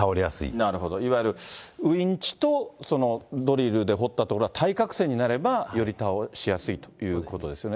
なるほど、いわゆるウインチと、そのドリルで掘った所が対角線になれば、より倒しやすいということですね。